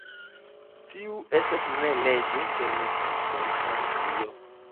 Tiu estas ne leĝe permesita en Francio.